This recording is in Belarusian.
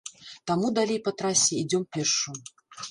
Таму далей па трасе ідзём пешшу.